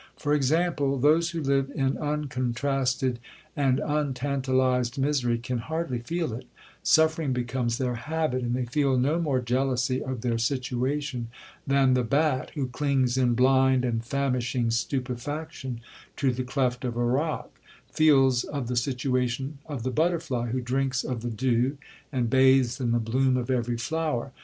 For example, those who live in uncontrasted and untantalized misery, can hardly feel it—suffering becomes their habit, and they feel no more jealousy of their situation than the bat, who clings in blind and famishing stupefaction to the cleft of a rock, feels of the situation of the butterfly, who drinks of the dew, and bathes in the bloom of every flower.